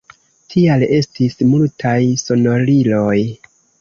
Tial estis multaj sonoriloj.